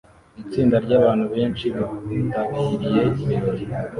Itsinda ryabantu benshi bitabiriye ibirori